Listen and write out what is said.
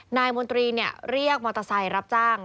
นายมนตรีเรียกมอเตอร์ไซค์รับจ้าง